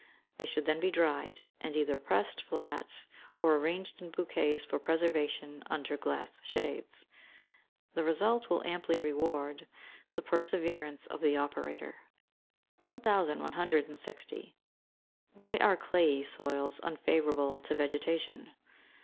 They should then be dried, and either pressed flat, or arranged in bouquets for preservation under glass shades. The result will amply reward the perseverance of the operator. 1160. _Why are clayey soils unfavourable to vegetation?